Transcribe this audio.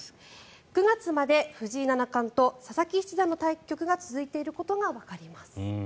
９月まで藤井七冠と佐々木七段の対局が続いていることがわかります。